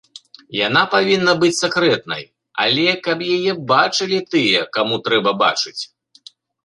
Яна павінна быць сакрэтнай, але, каб яе бачылі тыя, каму трэба бачыць.